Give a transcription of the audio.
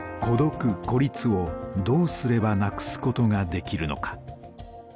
孤独・孤立をどうすればなくすことができるのか。